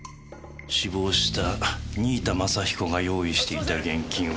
死亡した新井田政彦が用意していた現金は。